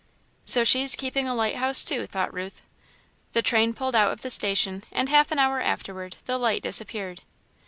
"So she's keeping a lighthouse, too," thought Ruth. The train pulled out of the station and half an hour afterward the light disappeared.